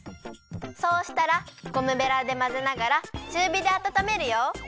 そうしたらゴムベラでまぜながらちゅうびであたためるよ。